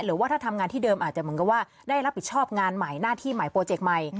หรือว่าถ้าทำงานที่เดิมอาจจะเหมือนกับว่าได้รับผิดชอบงานใหม่หน้าที่ใหม่โปรเจกต์ใหม่